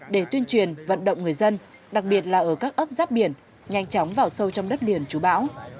để tuyên truyền vận động người dân đặc biệt là ở các ấp giáp biển nhanh chóng vào sâu trong đất liền chú bão